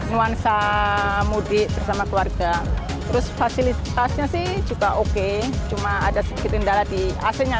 nuansa mudik bersama keluarga terus fasilitasnya sih juga oke cuma ada sedikit indah lagi aslinya